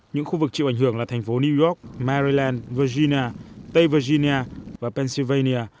những khu vực chịu ảnh hưởng là thành phố new york maryland virginia tây virginia và pennsylvania